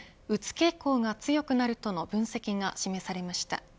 傾向が強くなるとの分析が示されました。